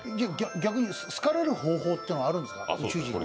逆に好かれる方法っていうのはあるんですか？